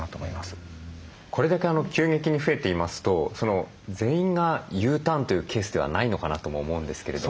これだけ急激に増えていますと全員がＵターンというケースではないのかなとも思うんですけれども。